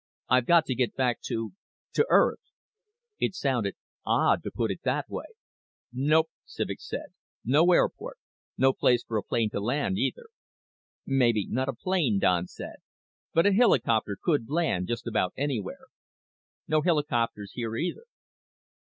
"I've got to get back to to Earth." It sounded odd to put it that way. "Nope," Civek said. "No airport. No place for a plane to land, either." "Maybe not a plane," Don said, "but a helicopter could land just about anywhere." "No helicopters here, either."